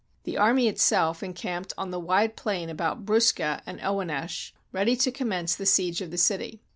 The army itself encamped on the wide plain about Bruska and Owenecz, ready to commence the siege of the city.